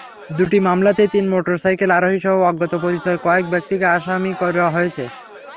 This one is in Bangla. দুটি মামলাতেই তিন মোটরসাইকেল আরোহীসহ অজ্ঞাতপরিচয় কয়েক ব্যক্তিকে আসামি করা হয়েছে।